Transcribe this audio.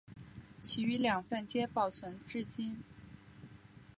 其余两份皆保存至今。